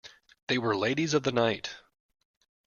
They were ladies of the night.